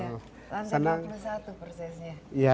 lantai dua puluh satu persisnya